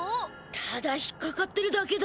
ただ引っかかってるだけだ。